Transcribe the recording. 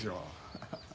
ハハハ。